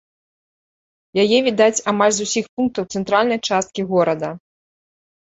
Яе відаць амаль з усіх пунктаў цэнтральнай часткі горада.